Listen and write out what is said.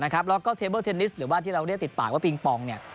แล้วก็เทเบิลเทนนิสหรือว่าที่เราเรียกติดปากว่าปิงปอง